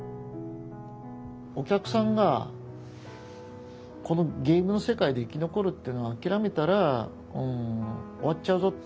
お客さんがこのゲームの世界で生き残るっていうのを諦めたらうん終わっちゃうぞっていう。